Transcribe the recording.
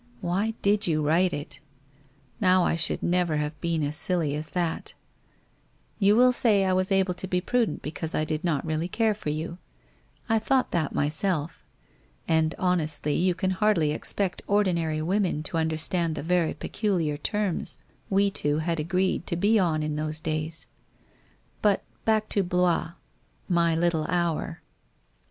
Why did you write it? Now I should never have been as silly as that ! You will say I was able to be prudent because I did not really care for you. I thought that myself. And honestly, you can hardly ex pect ordinary women to understand the very peculiar terms we two had agreed to be on in those days. But, back to Blois — my little hour